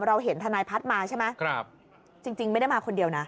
เห็นทนายพัฒน์มาใช่ไหมจริงไม่ได้มาคนเดียวนะ